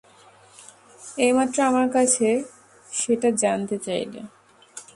এইমাত্র আমার কাছে সেটা জানতে চাইলে?